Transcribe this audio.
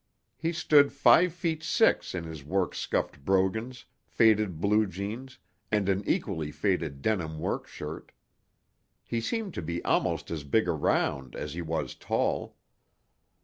He stood five feet six in his work scuffed brogans, faded blue jeans and an equally faded denim work shirt. He seemed to be almost as big around as he was tall.